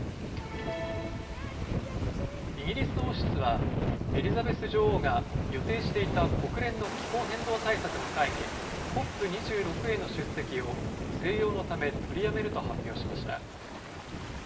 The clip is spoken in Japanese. イギリス王室はエリザベス女王が予定していた国連の気候変動対策の会議、ＣＯＰ２６への出席を静養のため取りやめると発表しました。